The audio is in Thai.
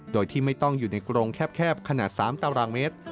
โดยที่ไม่ต้องอยู่ในกรงแคบขนาด๓ตารางเมตร